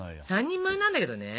３人前なんだけどね。